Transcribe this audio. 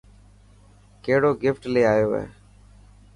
ڪهڙو گفٽ لي آيو هي.